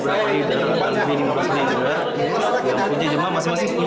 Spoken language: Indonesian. ada yang di sini satu ratus tiga puluh tujuh